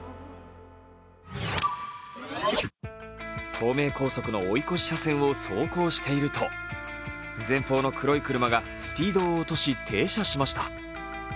東名高速の追い越し車線を走行していると前方の黒い車がスピードを落とし停車しました。